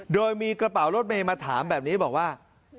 โดยมีกระเป๋ารถเมย์มาถามแบบนี้บอกว่า